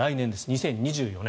２０２４年。